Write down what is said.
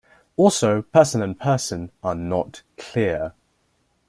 Also, Person and Person are not clear.